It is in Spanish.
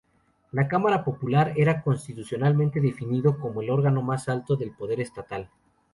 La Cámara Popular era constitucionalmente definido como el órgano más alto del poder estatal.